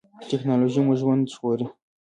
ټیکنالوژي مو ژوند ژغوري